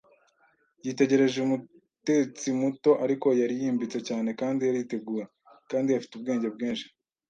yitegereje umutetsi muto. Ariko yari yimbitse cyane, kandi ariteguye, kandi afite ubwenge bwinshi